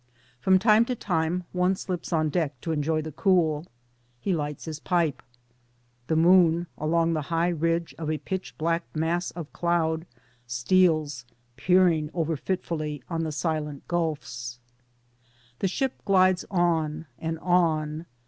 From time to time one slips on deck to enjoy the <:ool; He h'ghts his pipe. The moon along the high ridge of a pitch black mass of cloud steals, peering over fitfully on the silent gulfis. The ship glides on and on.